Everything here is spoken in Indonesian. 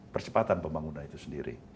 persepatan pembangunan itu sendiri